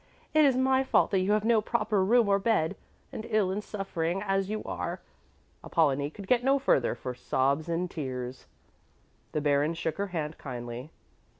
It is my fault that you have no proper room or bed! And ill and suffering as you are!" Apollonie could get no further for sobs and tears. The Baron shook her hand kindly.